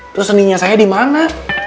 terus seninya saya dimana